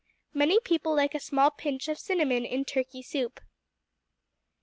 Many people like a small pinch of cinnamon in turkey soup.